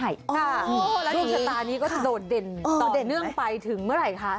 ดวงชะตานี้ก็จะโดดเด่นต่อเนื่องไปถึงเมื่อไหร่คะ